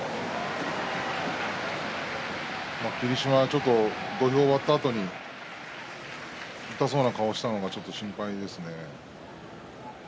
霧島はちょっと土俵を割ったあとに痛そうな顔をしたのがちょっと心配ですね。